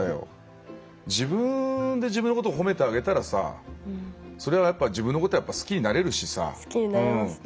自分で自分のことを褒めてあげたらさそれは自分のことを好きになれるしさ。